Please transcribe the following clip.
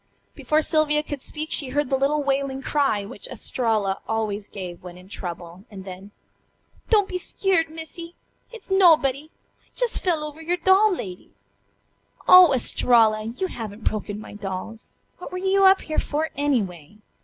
Before Sylvia could speak she heard the little wailing cry which Estralla always gave when in trouble, and then: "Don't be skeered, Missy! It's nobuddy. I jes' fell over your doll ladies." "Oh, Estralla! You haven't broken my dolls! What were you up here for, anyway?"